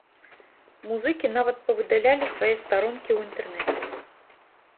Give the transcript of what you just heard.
Музыкі нават павыдалялі свае старонкі ў інтэрнэце.